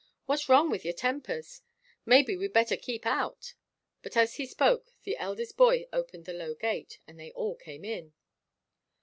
What's wrong with your tempers? Maybe we'd better keep out." But as he spoke the eldest boy opened the low gate, and they all came in.